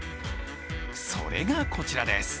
それが、こちらです。